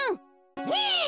２。